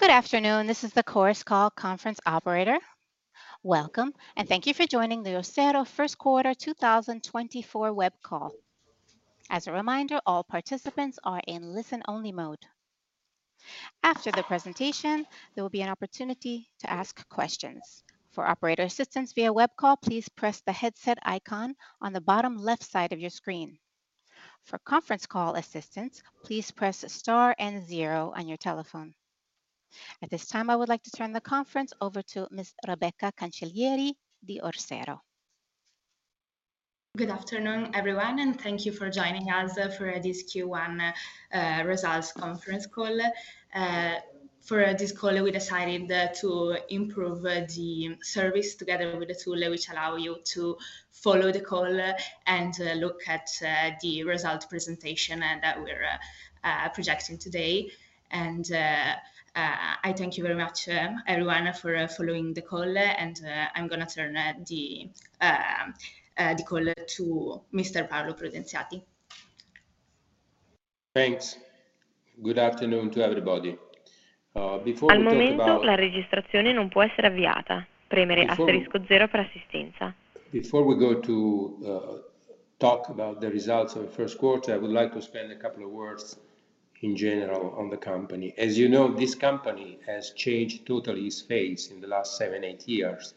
Good afternoon. This is the Chorus Call conference operator. Welcome, and thank you for joining the Orsero First Quarter 2024 Web Call. As a reminder, all participants are in listen-only mode. After the presentation, there will be an opportunity to ask questions. For operator assistance via web call, please press the headset icon on the bottom left side of your screen. For conference call assistance, please press star and zero on your telephone. At this time, I would like to turn the conference over to Rebecca Cancellieri, of Orsero. Good afternoon, everyone, and thank you for joining us for this Q1 results conference call. For this call, we decided to improve the service together with the tool which allow you to follow the call and look at the results presentation and that we're projecting today. I thank you very much, everyone, for following the call, and I'm gonna turn the call to Mr. Paolo Prudenzati. Thanks. Good afternoon to everybody. Before we talk about-... Before we go to talk about the results of the first quarter, I would like to spend a couple of words in general on the company. As you know, this company has changed totally its phase in the last seven to eight years.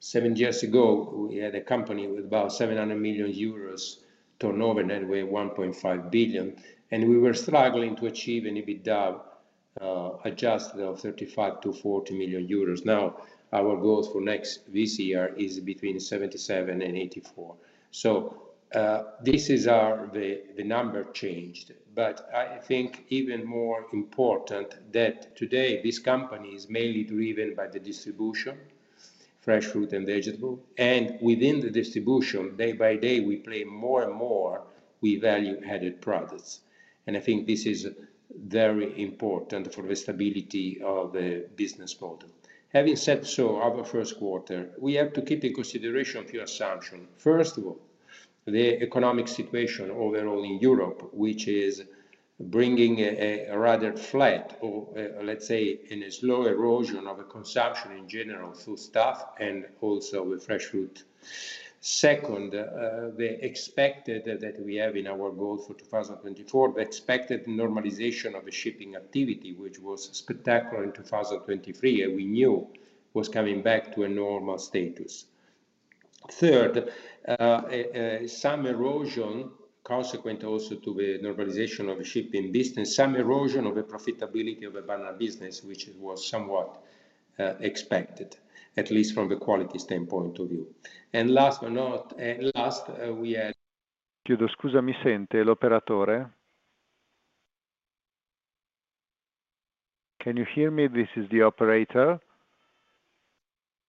Seven years ago, we had a company with about 700 million euros turnover, now at 1.5 billion, and we were struggling to achieve an EBITDA adjusted of 35-40 million euros. Now, our goal for this year is between 77 million and 84 million. So this is our... The number changed, but I think even more important that today, this company is mainly driven by the distribution, fresh fruit and vegetable, and within the distribution, day by day, we play more and more with value-added products, and I think this is very important for the stability of the business model. Having said so, our first quarter, we have to keep in consideration a few assumption. First of all, the economic situation overall in Europe, which is bringing a rather flat or, let's say, in a slow erosion of consumption in general, foodstuff and also with fresh fruit. Second, the expected that we have in our goal for 2024, the expected normalization of the shipping activity, which was spectacular in 2023, and we knew was coming back to a normal status. Third, some erosion, consequent also to the normalization of the shipping business, some erosion of the profitability of the banana business, which was somewhat expected, at least from the quality standpoint of view. And last, we had- Can you hear me? This is the operator.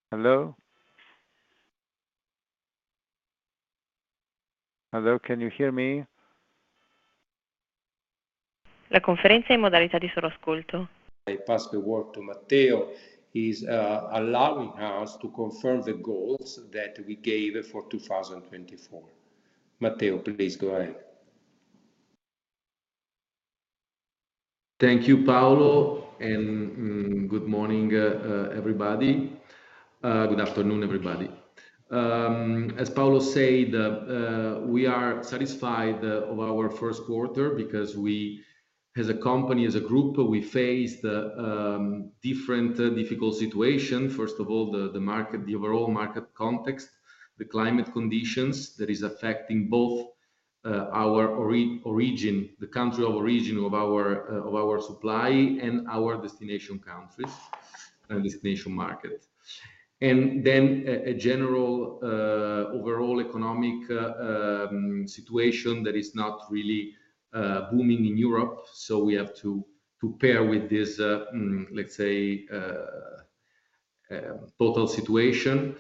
Hello? Hello, can you hear me?... I pass the word to Matteo. He's allowing us to confirm the goals that we gave for 2024. Matteo, please go ahead. Thank you, Paolo, and good morning, everybody. Good afternoon, everybody. As Paolo said, we are satisfied of our first quarter because we, as a company, as a group, we faced different difficult situation. First of all, the market, the overall market context, the climate conditions that is affecting both our origin, the country of origin of our supply and our destination countries and destination market. And then a general overall economic situation that is not really booming in Europe, so we have to pair with this, let's say, total situation.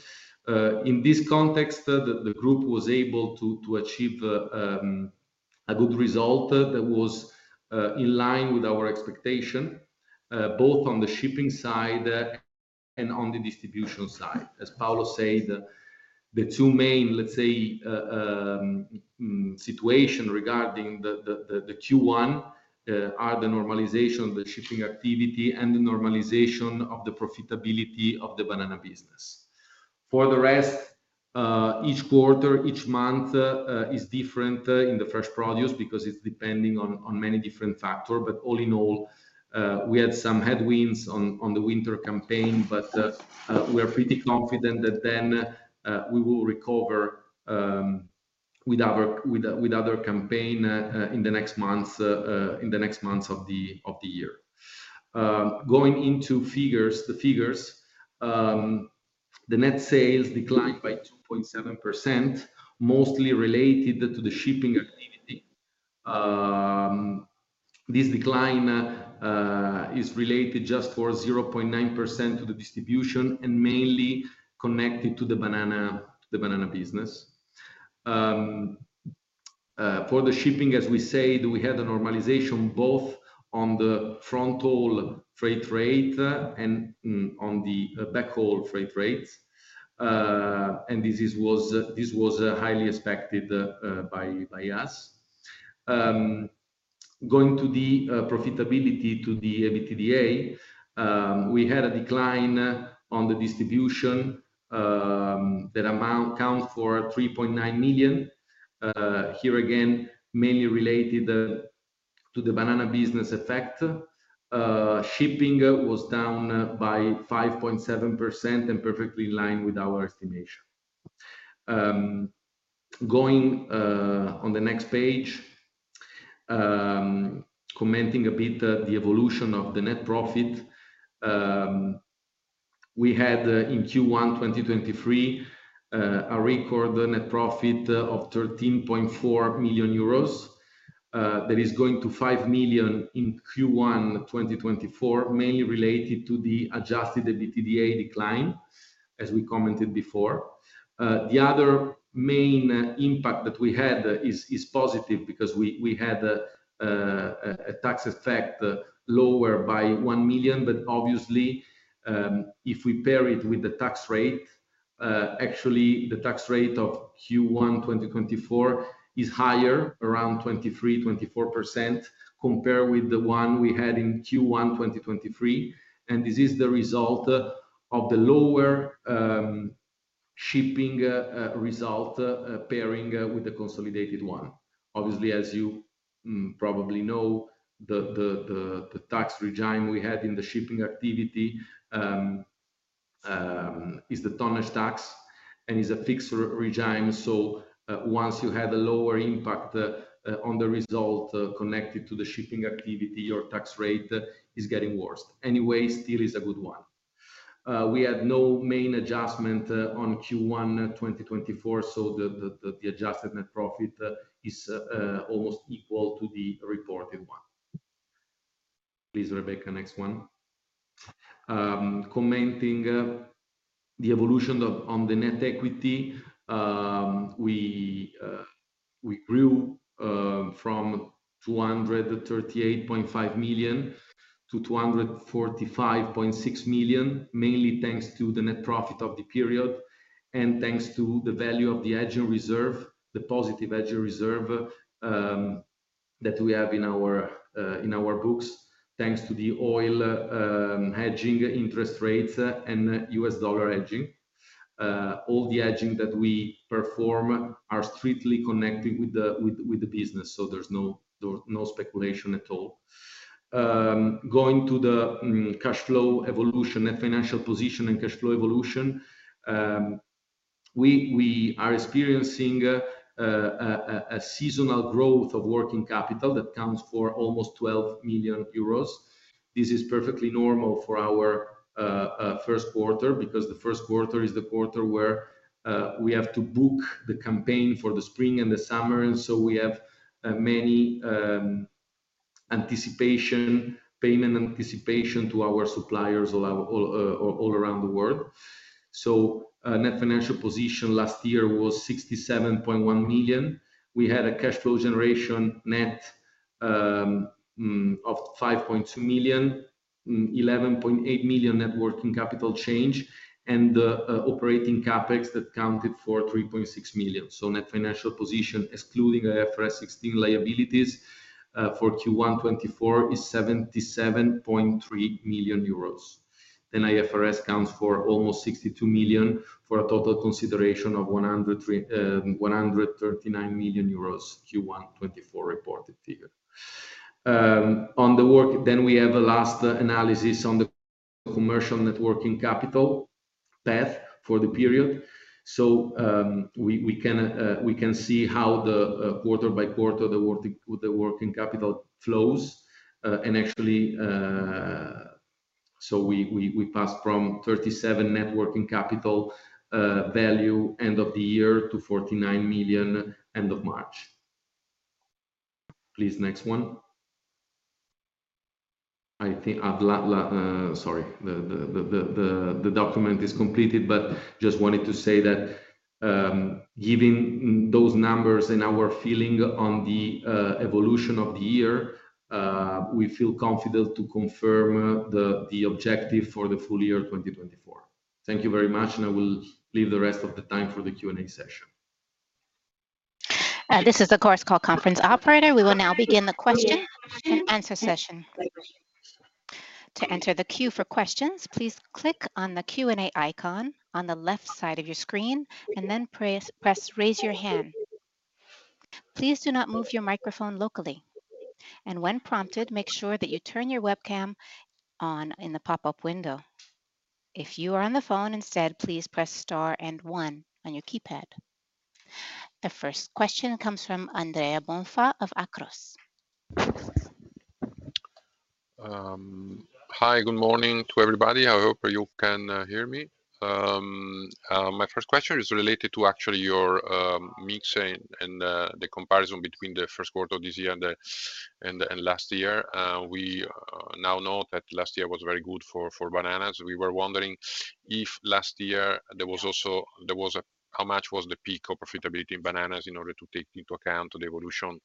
In this context, the group was able to achieve a good result that was in line with our expectation both on the shipping side and on the distribution side. As Paolo said, the two main, let's say, situation regarding the Q1 are the normalization of the shipping activity and the normalization of the profitability of the banana business. For the rest, each quarter, each month is different in the fresh produce because it's depending on many different factor. But all in all, we had some headwinds on the winter campaign, but we are pretty confident that then we will recover with the other campaign in the next months of the year. Going into figures, the figures, the net sales declined by 2.7%, mostly related to the shipping activity. This decline is related just for 0.9% to the distribution and mainly connected to the banana, the banana business. For the shipping, as we said, we had a normalization both on the fronthaul freight rate and on the backhaul freight rates, and this was highly expected by us. Going to the profitability to the EBITDA, we had a decline on the distribution that amount accounts for 3.9 million. Here again, mainly related to the banana business effect. Shipping was down by 5.7%, and perfectly in line with our estimation. Going on the next page, commenting a bit the evolution of the net profit. We had in Q1 2023 a record net profit of 13.4 million euros. That is going to 5 million in Q1 2024, mainly related to the adjusted EBITDA decline, as we commented before. The other main impact that we had is positive, because we had a tax effect lower by 1 million, but obviously, if we pair it with the tax rate, actually, the tax rate of Q1 2024 is higher, around 23-24%, compared with the one we had in Q1 2023, and this is the result of the lower shipping result pairing with the consolidated one. Obviously, as you probably know, the tax regime we had in the shipping activity is the tonnage tax, and is a fixed regime, so once you have a lower impact on the result connected to the shipping activity, your tax rate is getting worse. Anyway, still is a good one. We had no main adjustment on Q1 2024, so the adjusted net profit is almost equal to the reported one. Please, Raffaella, next one. Commenting the evolution of on the net equity. We grew from 238.5 million-245.6 million, mainly thanks to the net profit of the period, and thanks to the value of the hedging reserve, the positive hedging reserve, that we have in our books, thanks to the oil hedging, interest rates, and U.S. dollar hedging. All the hedging that we perform are strictly connected with the business, so there's no speculation at all. Going to the cash flow evolution, net financial position and cash flow evolution. We are experiencing a seasonal growth of working capital that accounts for almost 12 million euros. This is perfectly normal for our first quarter, because the first quarter is the quarter where we have to book the campaign for the spring and the summer, and so we have many anticipation, payment anticipation to our suppliers all around the world. So net financial position last year was 67.1 million. We had a cash flow generation net of 5.2 million, 11.8 million net working capital change, and operating CapEx that accounted for 3.6 million. So net financial position, excluding IFRS 16 liabilities, for Q1 2024, is 77.3 million euros. Then IFRS accounts for almost 62 million, for a total consideration of 139 million euros, Q1 2024 reported figure. On the work, then we have a last analysis on the commercial Net Working Capital path for the period. So, we can see how the quarter by quarter, the working capital flows. And actually, so we passed from 37 million Net Working Capital value end of the year to 49 million end of March. Please, next one. I think the document is completed, but just wanted to say that, given those numbers and our feeling on the evolution of the year, we feel confident to confirm the objective for the full year of 2024. Thank you very much, and I will leave the rest of the time for the Q&A session. This is the Chorus Call conference operator. We will now begin the question-and-answer session. To enter the queue for questions, please click on the Q&A icon on the left side of your screen, and then press Raise Your Hand. Please do not move your microphone locally, and when prompted, make sure that you turn your webcam on in the pop-up window. If you are on the phone instead, please press star and one on your keypad. The first question comes from Andrea Bonfà of Akros. Hi, good morning to everybody. I hope you can hear me. My first question is related to actually your mix and the comparison between the first quarter of this year and last year. We now know that last year was very good for bananas. We were wondering if last year there was also... how much was the peak of profitability in bananas in order to take into account the evolution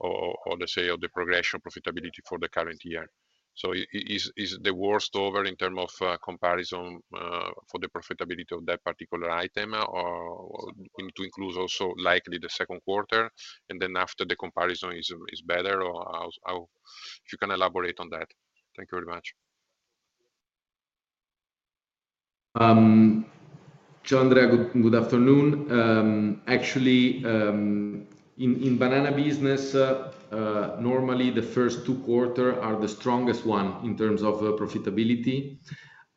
or the say of the progression profitability for the current year? So is the worst over in term of comparison for the profitability of that particular item, or need to include also likely the second quarter, and then after the comparison is better? Or how? If you can elaborate on that. Thank you very much. Andrea, good afternoon. Actually, in banana business, normally the first two quarter are the strongest one in terms of profitability.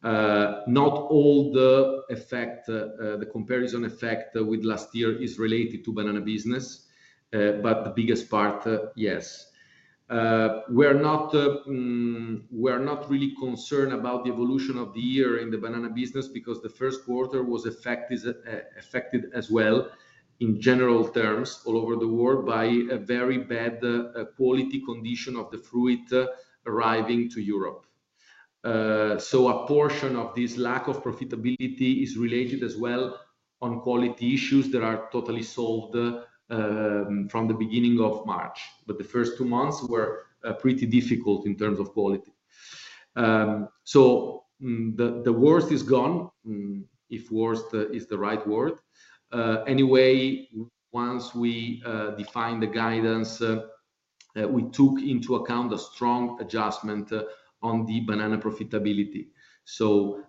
Not all the effect, the comparison effect with last year is related to banana business, but the biggest part, yes. We are not really concerned about the evolution of the year in the banana business, because the first quarter was affected as well, in general terms, all over the world, by a very bad quality condition of the fruit arriving to Europe. So a portion of this lack of profitability is related as well on quality issues that are totally solved from the beginning of March. But the first two months were pretty difficult in terms of quality. So, the worst is gone, if worst is the right word. Anyway, once we defined the guidance, we took into account a strong adjustment on the banana profitability. So,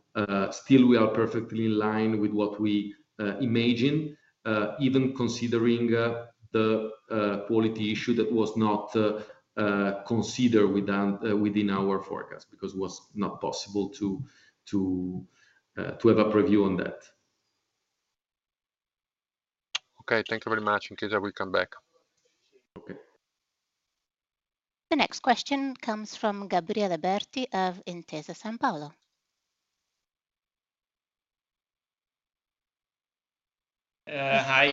still we are perfectly in line with what we imagine, even considering the quality issue that was not considered within our forecast, because it was not possible to have a preview on that. Okay, thank you very much. In case I will come back. Okay. The next question comes from Gabriele Berti of Intesa Sanpaolo. Hi,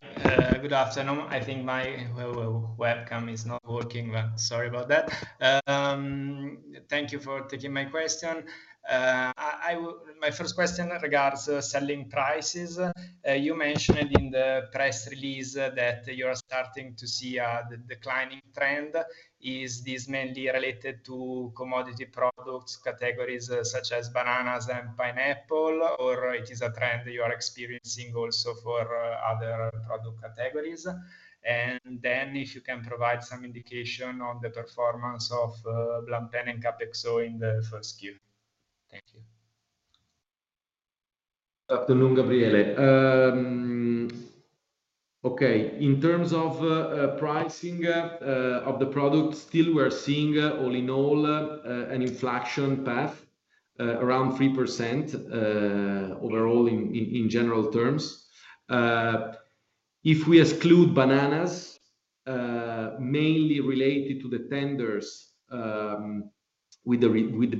good afternoon. I think my webcam is not working well. Sorry about that. Thank you for taking my question. My first question regards selling prices. You mentioned in the press release that you are starting to see the declining trend. Is this mainly related to commodity products, categories such as bananas and pineapple, or it is a trend you are experiencing also for other product categories? And then if you can provide some indication on the performance of Blampin and Capexo so in the first Q. Thank you. Good afternoon, Gabriele. Okay, in terms of pricing of the product, still we're seeing, all in all, an inflation path around 3% overall in general terms. If we exclude bananas, mainly related to the tenders with the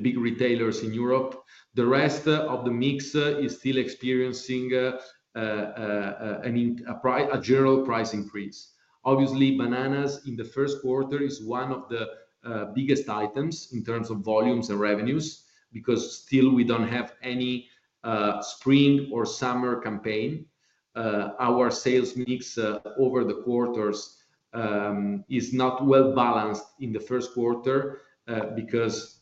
big retailers in Europe, the rest of the mix is still experiencing a general price increase. Obviously, bananas in the first quarter is one of the biggest items in terms of volumes and revenues, because still we don't have any spring or summer campaign. Our sales mix over the quarters is not well balanced in the first quarter, because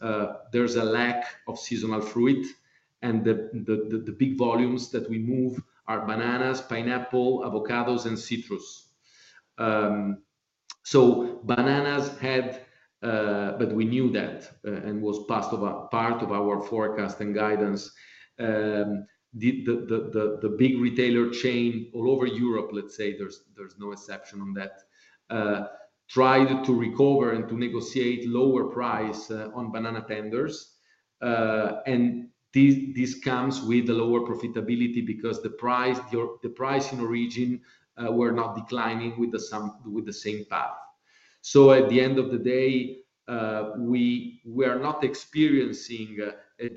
there's a lack of seasonal fruit, and the big volumes that we move are bananas, pineapple, avocados, and citrus. So bananas had. But we knew that, and was part of our forecast and guidance. The big retailer chain all over Europe, let's say, there's no exception on that, tried to recover and to negotiate lower price on banana tenders. And this comes with a lower profitability because the price, the price in the region were not declining with the same path. So at the end of the day, we were not experiencing a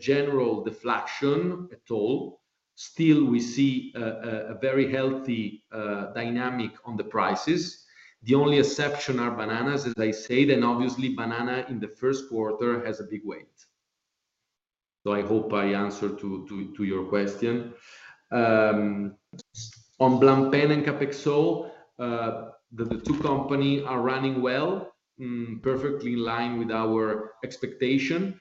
very healthy dynamic on the prices. The only exception are bananas, as I said, and obviously banana in the first quarter has a big weight. So I hope I answered to your question. On Blampin and Capexo, the two company are running well, perfectly in line with our expectation.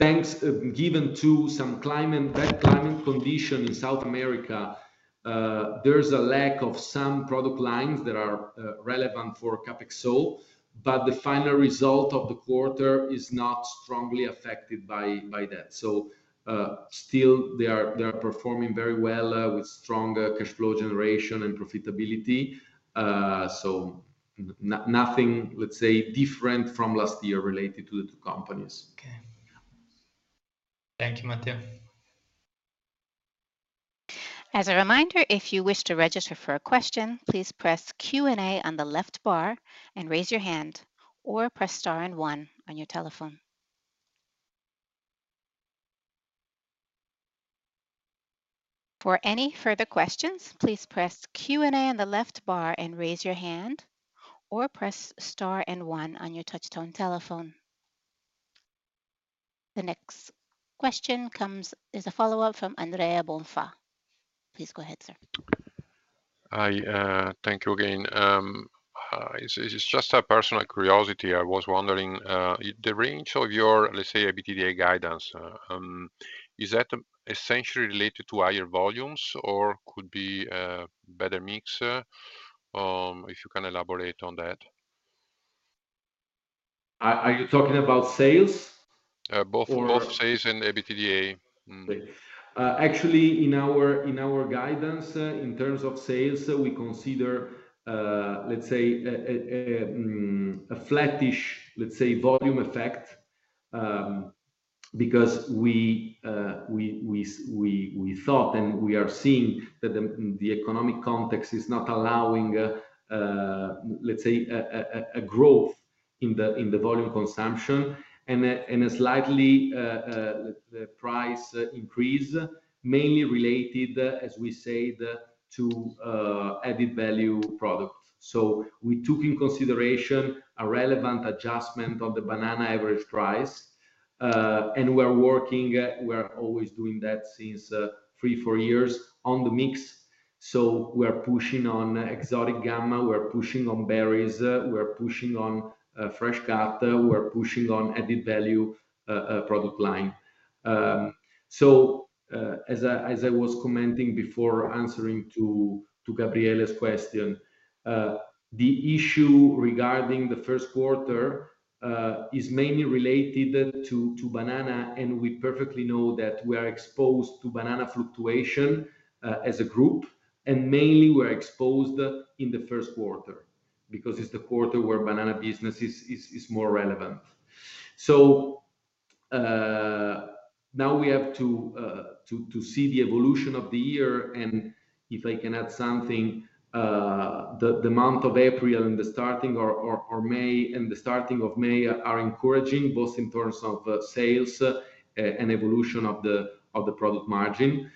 Thanks given to some climate, bad climate condition in South America, there's a lack of some product lines that are relevant for Capexo, but the final result of the quarter is not strongly affected by that. So, still, they are performing very well, with strong cash flow generation and profitability. So nothing, let's say, different from last year related to the two companies. Okay. Thank you, Matteo. As a reminder, if you wish to register for a question, please press Q&A on the left bar and raise your hand, or press star and one on your telephone. For any further questions, please press Q&A on the left bar and raise your hand, or press star and one on your touchtone telephone.... The next question is a follow-up from Andrea Bonfà. Please go ahead, sir. I thank you again. It's just a personal curiosity. I was wondering the range of your, let's say, EBITDA guidance, is that essentially related to higher volumes or could be a better mix? If you can elaborate on that. Are you talking about sales? Uh, both- Or- Both sales and EBITDA. Mm. Actually, in our guidance, in terms of sales, we consider, let's say, a flattish, let's say, volume effect. Because we thought, and we are seeing that the economic context is not allowing, let's say, a growth in the volume consumption and a slightly price increase, mainly related, as we said, to added-value products. So we took in consideration a relevant adjustment of the banana average price. And we're working, we're always doing that since three, four years on the mix. So we are pushing on exotic gamma, we are pushing on berries, we are pushing on fresh cut, we are pushing on added-value product line. So, as I was commenting before answering to Gabriele's question, the issue regarding the first quarter is mainly related to banana, and we perfectly know that we are exposed to banana fluctuation as a group, and mainly we're exposed in the first quarter, because it's the quarter where banana business is more relevant. So, now we have to see the evolution of the year, and if I can add something, the month of April and the starting of May are encouraging, both in terms of sales and evolution of the product margin.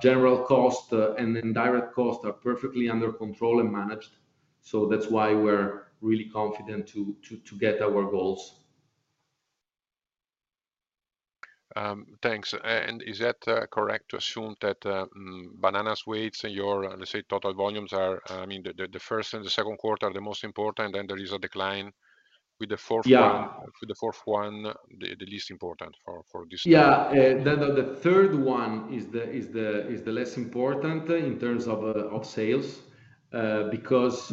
General cost and then direct costs are perfectly under control and managed, so that's why we're really confident to get our goals. Thanks. And is that correct to assume that bananas weigh your, let's say, total volumes are... I mean, the first and the second quarter are the most important, then there is a decline with the fourth one- Yeah... with the fourth one, the least important for this year? Yeah. The third one is the less important in terms of sales, because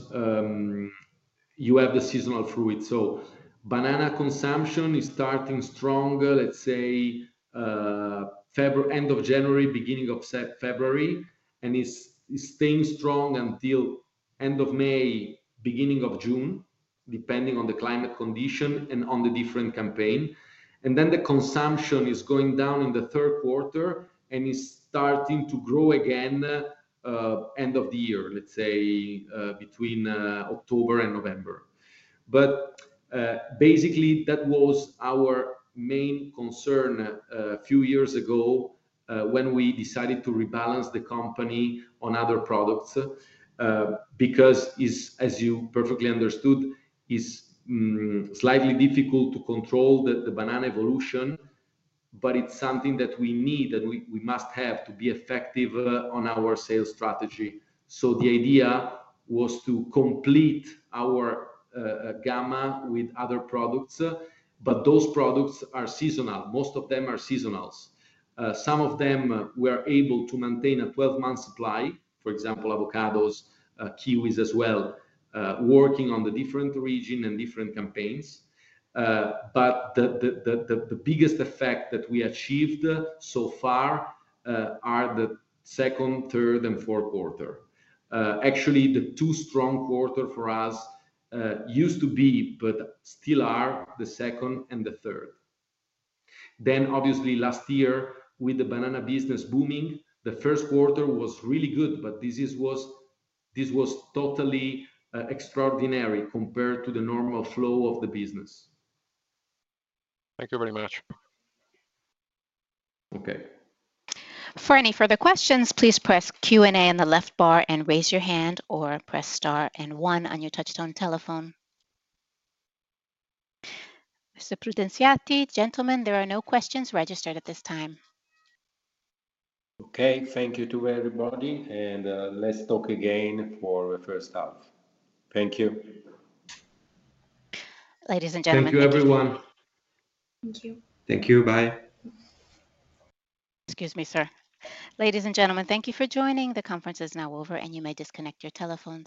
you have the seasonal fruit. So banana consumption is starting stronger, let's say, end of January, beginning of February, and it stays strong until end of May, beginning of June, depending on the climate condition and on the different campaign. And then the consumption is going down in the third quarter, and it's starting to grow again, end of the year, let's say, between October and November. But basically, that was our main concern a few years ago when we decided to rebalance the company on other products because, as you perfectly understood, it is slightly difficult to control the banana evolution, but it's something that we need and we must have to be effective on our sales strategy. So the idea was to complete our gamma with other products, but those products are seasonal. Most of them are seasonals. Some of them we are able to maintain a 12-month supply, for example, avocados, kiwis as well, working on the different region and different campaigns. But the biggest effect that we achieved so far are the second, third, and fourth quarter. Actually, the two strong quarter for us used to be, but still are, the second and the third. Then obviously last year, with the banana business booming, the first quarter was really good, but this was totally extraordinary compared to the normal flow of the business. Thank you very much. Okay. For any further questions, please press Q&A on the left bar and raise your hand or press star and one on your touchtone telephone. Mr. Prudenzati, gentlemen, there are no questions registered at this time. Okay. Thank you to everybody, and, let's talk again for the first half. Thank you. Ladies and gentlemen, thank you. Thank you, everyone. Thank you. Thank you. Bye. Excuse me, sir. Ladies and gentlemen, thank you for joining. The conference is now over, and you may disconnect your telephones.